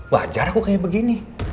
wajar aku kayak begini